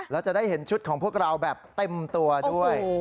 แล้วจะได้เห็นชุดของพวกเราแบบเต็มตัวด้วย